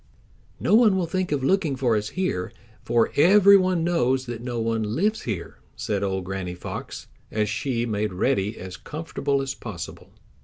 "No one will think of looking for us here, for every one knows that no one lives here," said old Granny Fox, as she made Reddy as comfortable as possible.